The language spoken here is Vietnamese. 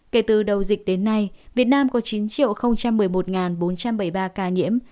kể từ đầu dịch đến nay việt nam có chín một mươi một bốn trăm bảy mươi ba ca nhiễm